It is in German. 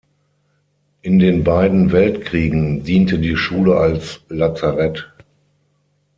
In den beiden Weltkriegen diente die Schule als Lazarett.